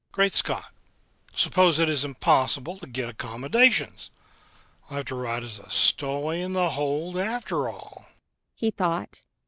"Great Scott! Suppose it is impossible to get accommodations! I'll have to ride as a stowaway in the hold, after all!" he thought.